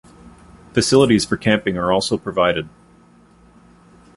Facilities for camping are also provided.